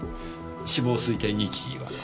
死亡推定日時は？